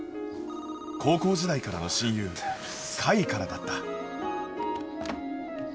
高校時代からの親友甲斐からだった